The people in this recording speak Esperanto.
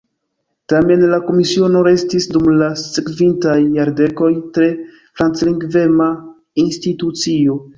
Tamen la Komisiono restis dum la sekvintaj jardekoj tre franclingvema institucio.